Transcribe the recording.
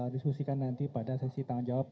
diskusikan nanti pada sesi tanggung jawab